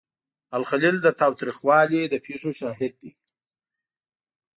الخلیل د تاوتریخوالي د پیښو شاهد دی.